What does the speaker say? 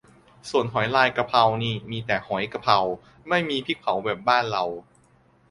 ส่วนหอยลายกะเพรานี่มีแต่หอยกะกะเพรา ไม่มีพริกเผาแบบบ้านเรา